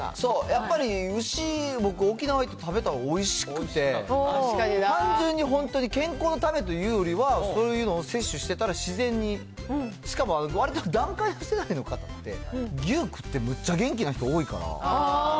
やっぱり牛、僕、沖縄行って食べたらおいしくて、単純に本当に健康のためというよりは、そういうのを摂取してたら自然に、しかもわりと団塊の世代の方って牛食って、むっちゃ元気な人多いから。